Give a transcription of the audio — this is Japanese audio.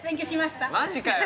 マジかよ。